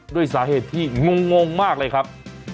ด้วยสาเหตุที่งงมากเลยครับ